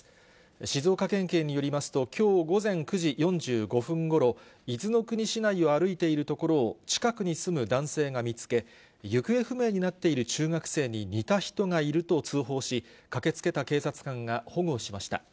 静岡県警によりますと、きょう午前９時４５分ごろ、伊豆の国市内を歩いているところを、近くに住む男性が見つけ、行方不明になっている中学生に似た人がいると通報し、駆けつけた警察官が保護しました。